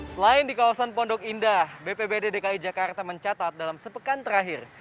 selain di kawasan pondok indah bpbd dki jakarta mencatat dalam sepekan terakhir